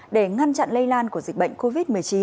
để ngăn chặn lây lan của dịch bệnh covid một mươi chín